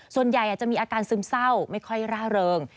ส่วนใหญ่จะมีอาการซึมเศร้าไม่ค่อยร่าเริง